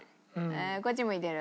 こっち向いてる。